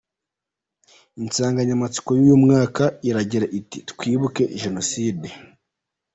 Insanganyamatsiko yuyu mwaka iragira iti Twibuke Jenoside.